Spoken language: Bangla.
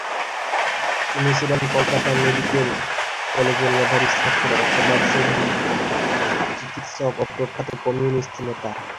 তিনি ছিলেন কলকাতা মেডিক্যাল কলেজের মেধাবী ছাত্র, সমাজসেবী, চিকিৎসক ও প্রখ্যাত কমিউনিস্ট নেতা।